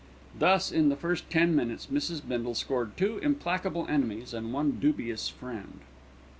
Thus in the first ten minutes Mrs. Bindle scored two implacable enemies and one dubious friend.